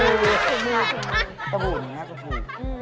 สบู่นี้ก็ถูก